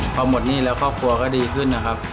พอหมดหนี้แล้วครอบครัวก็ดีขึ้นนะครับ